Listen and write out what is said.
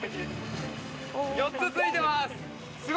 ４つ、ついています！